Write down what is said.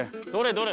どれ？